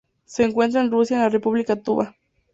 Se encuentra en Rusia en la República Tuvá.